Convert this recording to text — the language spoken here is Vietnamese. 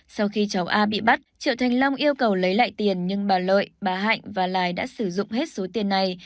sau khi cháu a bị bắt triệu thành long yêu cầu lấy lại tiền nhưng bà lợi bà hạnh và lài đã sử dụng hết số tiền này